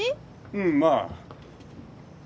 うんまあ。